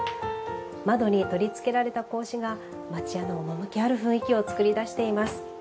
窓に取りつけられた格子が町家の趣ある雰囲気を作り出しています。